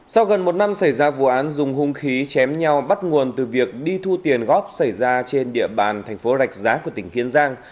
sau gần một năm xảy ra vụ án dùng hung khí chém nhau bắt nguồn từ việc đi thu tiền góp xảy ra trên địa bàn thành phố rạch giá của tỉnh kiên giang